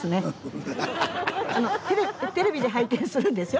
テレビで拝見するんですよ。